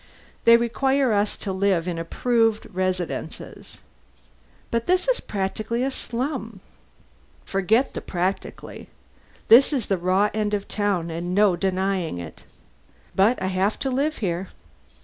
They require us to live in approved residences." "But this is practically a slum." "Forget the practically. This is the raw end of town, and no denying it. But I have to live here."